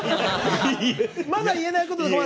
まだ言えないこととか。